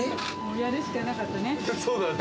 やるしかなかったよね。